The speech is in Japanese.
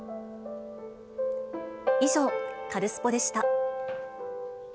以上、カルスポっ！でした。